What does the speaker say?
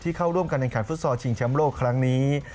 ที่เข้าร่วมกับนักแขนมฟุตสอสชิงชำโลกครั้งนี้